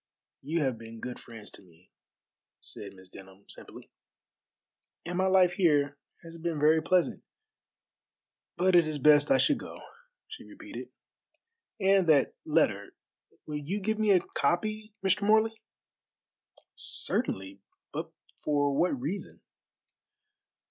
"You have been good friends to me," said Miss Denham simply, "and my life here has been very pleasant; but it is best I should go," she repeated, "and that letter, will you give me a copy, Mr. Morley?" "Certainly, but for what reason?"